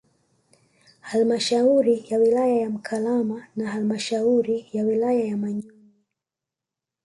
Halmashauri ya wilaya ya Mkalama na halmashauri ya wilaya ya Manyoni